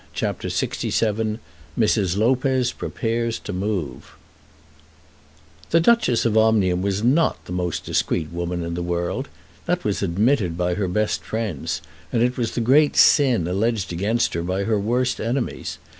CHAPTER LXVII Mrs. Lopez Prepares to Move The Duchess of Omnium was not the most discreet woman in the world. That was admitted by her best friends, and was the great sin alleged against her by her worst enemies.